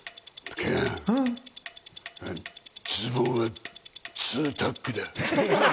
健、ズボンはツータックだ。